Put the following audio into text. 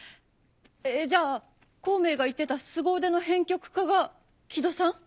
えっじゃあ孔明が言ってたすご腕の編曲家がキドさん？